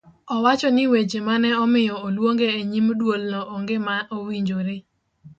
Owacho ni weche mane omiyo oluonge e nyim duolno onge ma owinjore